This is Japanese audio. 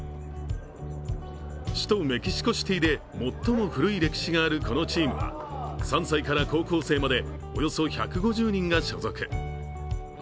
首都メキシコシティーで最も古い歴史があるこのチームは、３歳から高校生までおよそ１５０人が所属。